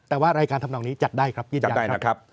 แต่ว่ารายการทำนองนี้จัดได้ครับยืนยันได้นะครับ